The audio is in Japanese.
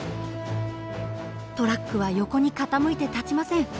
トラックは横に傾いて立ちません。